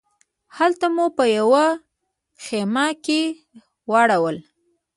هلته مو په یوه خیمه کې واړول.